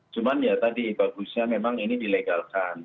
cuman ya tadi bagusnya memang ini dilegalkan